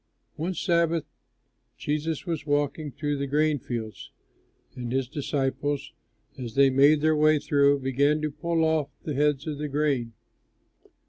One Sabbath Jesus was walking through the grain fields; and his disciples, as they made their way through, began to pull off the heads of the grain.